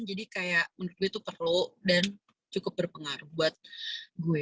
jadi kayak menurut gue itu perlu dan cukup berpengaruh buat gue